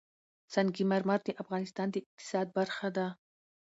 سنگ مرمر د افغانستان د اقتصاد برخه ده.